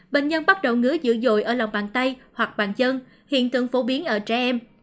bệnh nhân bắt đầu ngứa dữ dội ở lòng bàn tay hoặc bàn chân hiện tượng phổ biến ở trẻ em